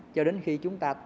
cho đến khi chúng ta